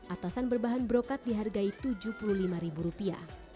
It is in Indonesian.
atasan berbahan brokat dihargai tujuh puluh lima ribu rupiah